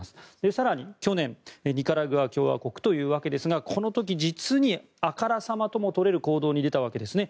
更に去年ニカラグア共和国というわけですがこの時実にあからさまともいえる行動に出たわけですね。